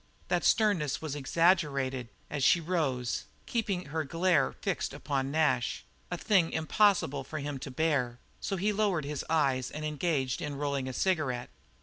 That sternness was exaggerated as she rose, keeping her glare fixed upon Nash; a thing impossible for him to bear, so he lowered his eyes and engaged in rolling a cigarette.